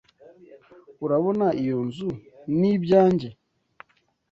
Urabona iyo nzu? Ni ibyanjye.